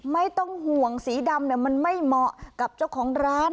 ไม่ต้องห่วงสีดำมันไม่เหมาะกับเจ้าของร้าน